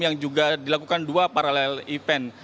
yang juga dilakukan dua paralel event